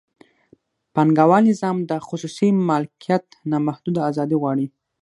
پانګوال نظام د خصوصي مالکیت نامحدوده ازادي غواړي.